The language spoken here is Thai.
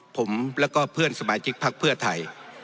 ผมและเพื่อนสมาชิกภาคเพื่อไทย